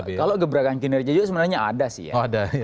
tapi kalau gebrakan kinerja juga sebenarnya ada sih ya oh ada ya